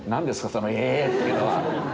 その「えっ」っていうのは。